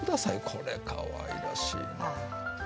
これかわいらしいね。